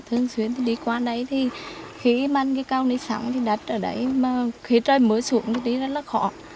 thương xuyên thì đi qua đấy thì khi mang cây cầu đi sẵn thì đặt ở đấy mà khi trời mưa xuống thì đi rất là khó